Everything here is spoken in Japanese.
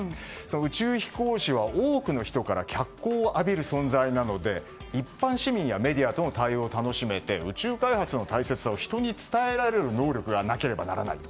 宇宙飛行士は多くの人から脚光を浴びる存在なので一般市民やメディアとの対応を楽しめて、宇宙開発の楽しさを人に伝えられる能力がなければならないと。